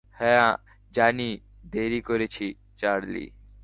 হ্যাঁ জানি দেরি করেছি, চার্লি।